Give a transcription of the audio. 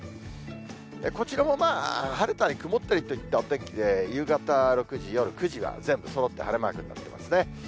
こちらも晴れたり曇ったりといったお天気で、夕方６時、夜９時は全部そろって晴れマークになっていますね。